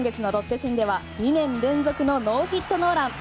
先月のロッテ戦では２年連続のノーヒット・ノーラン。